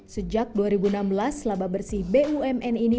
sejak dua ribu enam belas laba bersih bumn ini